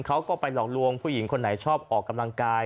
เขาก็ไปหลอกลวงผู้หญิงคนไหนชอบออกกำลังกาย